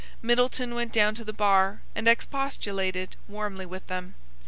Middleton went down to the bar and expostulated warmly with them.